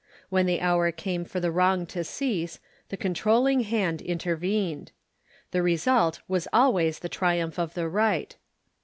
When the hour came for the wrong to cease, the controlling hand intervened. The result was aHvays the triumph of the right.